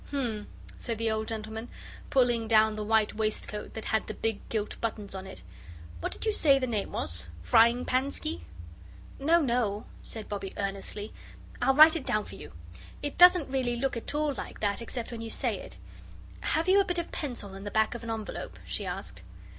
"Hum," said the old gentleman, pulling down the white waistcoat that had the big gilt buttons on it, "what did you say the name was Fryingpansky?" "No, no," said Bobbie earnestly. "I'll write it down for you. It doesn't really look at all like that except when you say it. Have you a bit of pencil and the back of an envelope?" she asked.